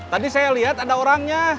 tadi saya lihat ada orangnya